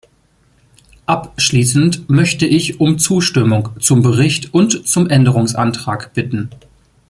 Abschließend möchte ich um Zustimmung zum Bericht und zum Änderungsantrag bitten.